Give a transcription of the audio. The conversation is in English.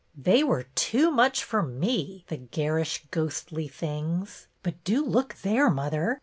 " They were too much for me, the garish, ghostly things ! But do look there, mother.